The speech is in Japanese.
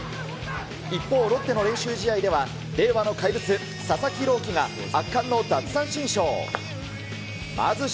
一方、ロッテの練習試合では令和の怪物、佐々木朗希が、圧巻の奪三振ショー。